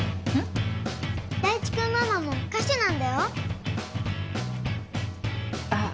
大地くんママも歌手なんだよあっ